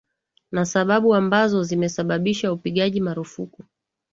na sababu ambazo zimesababisha upigaji marufuku